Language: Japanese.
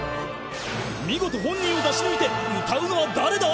［見事本人を出し抜いて歌うのは誰だ？］